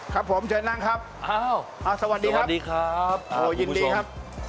ครับผมเชิญนั่งครับสวัสดีครับอยู่บุญชม